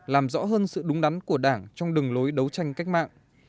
làm rõ hơn sự đúng đắn của đảng trong đường lối đấu tranh cách mạng